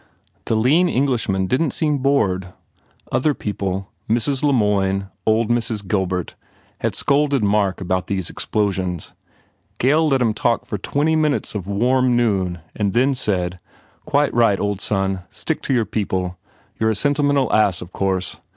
The lean Englishman didn t seem bored. Other people Mrs. LeMoyne, old Mrs. Gilbert had scolded Mark about these explosions. Gail let him talk for twenty minutes of warm noon and then said, "Quite right, old son. Stick to your people. ... You re a sentimental ass, of course.